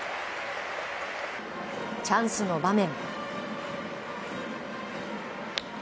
チャンスの場面。